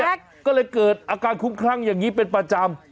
ก็เลยเกิดอาการคุ้มคลั่งอย่างนี้เป็นประจำ